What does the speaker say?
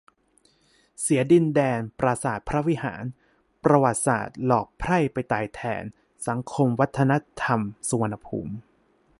เสียดินแดน "ปราสาทพระวิหาร" ประวัติศาสตร์หลอกไพร่ไปตายแทน สังคมวัฒนธรรม สุวรรณภูมิ